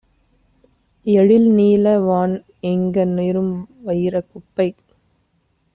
எழில்நீல வான்எங்க ணும்வயிரக் குப்பை!